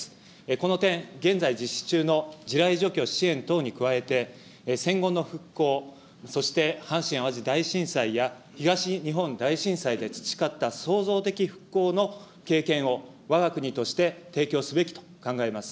この点、現在実施中の地雷除去支援等に加えて、戦後の復興、そして阪神・淡路大震災や、東日本大震災で培った創造的復興の経験を、わが国として提供すべきと考えます。